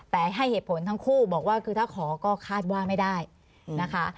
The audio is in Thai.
แต่ให้เหตุผลทั้งคู่บอกว่าคือถ้าขอก็คาดว่าไม่ได้นะคะ